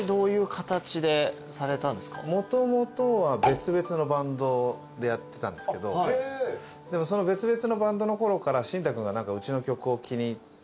もともとは別々のバンドでやってたんですけどでもその別々のバンドのころからシンタくんがうちの曲を気に入って。